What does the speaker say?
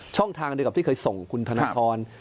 ช่องทางเดียวกับที่เคยส่งคุณธนทร